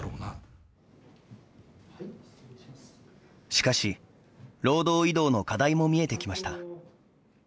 しかし、労働移動の課題も見えてきました。